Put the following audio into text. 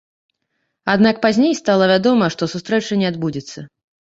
Аднак пазней стала вядома, што сустрэча не адбудзецца.